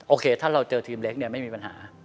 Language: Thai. โอเคถ้าเราเจอทีมเล็กเนี่ยไม่มีปัญหา